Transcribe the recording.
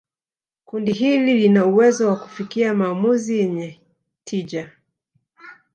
kundi hili lina uwezo wa kufikia maamuzi yenye tija